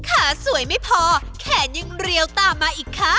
สวยไม่พอแขนยังเรียวตามมาอีกค่ะ